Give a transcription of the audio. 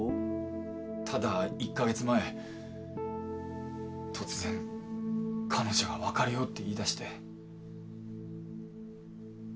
ただ１カ月前突然彼女が別れようって言いだして。